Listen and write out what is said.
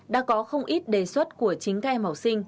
đã có không ít đề xuất của chính các em học sinh